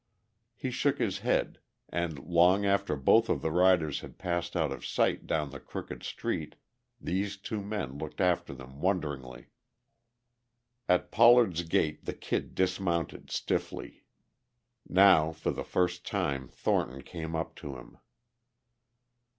He shook his head and, long after both of the riders had passed out of sight down the crooked street these two men looked after them wonderingly. At Pollard's gate the Kid dismounted stiffly. Now for the first time Thornton came up to him.